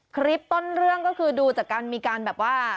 คลิปต้นเรื่องก็คือดูจากการมีการแบบว่า